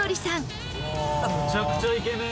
めちゃくちゃイケメン！